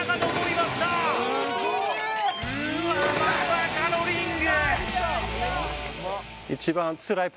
まさかのリング！